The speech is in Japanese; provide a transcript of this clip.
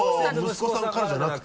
息子さんからじゃなくて？